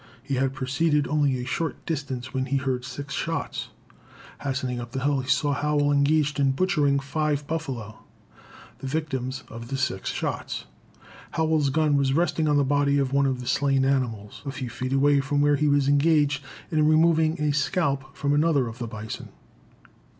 He had proceeded only a short distance when he heard six shots. Hastening up a hill, he saw Howell engaged in butchering five buffalo, the victims of the six shots. Howell's gun was resting on the body of one of the slain animals, a few feet away from where he was engaged in removing a scalp from another of the bison.